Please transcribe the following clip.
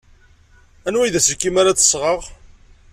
Anwa ay d aselkim ara d-sɣeɣ?